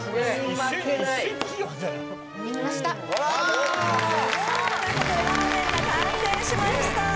すげえということでラーメンが完成しました